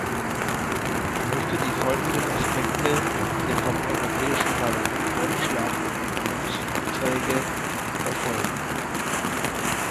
Ich möchte die folgenden Aspekte der vom Europäischen Parlament vorgeschlagenen Änderungsanträge hervorheben.